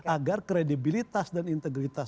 agar kredibilitas dan integritas